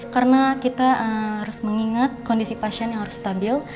karena kita harus mengingat kondisi pasien yang harus stabil